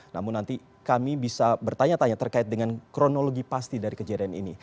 namun nanti kami bisa bertanya tanya terkait dengan kronologi pasti dari kejadian ini